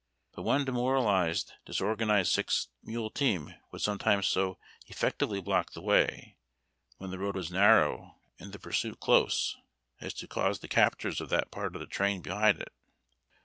But one demoralized, disorganized six mule team would sometimes so effectively block the way, when the road was narrow, and the pursuit close, as to cause the capture of that part of the train behind it.